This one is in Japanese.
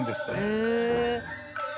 へえ。